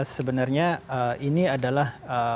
sebenarnya ini adalah